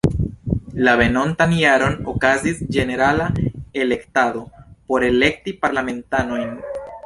La venontan jaron okazis ĝenerala elektado por elekti parlamentanojn.